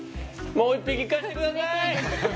もう１匹いかせてください！